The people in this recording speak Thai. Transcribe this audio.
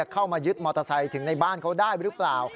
เข้ามายึดมอเตอร์ไซค์ถึงในบ้านเขาได้หรือเปล่า